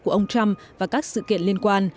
của ông trump và các sự kiện liên quan